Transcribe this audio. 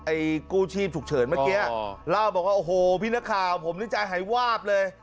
กู้ชีพฉุกเฉินเมื่อกี้เล่าบอกว่าโอ้โหพี่นักข่าวผมนี่ใจหายวาบเลย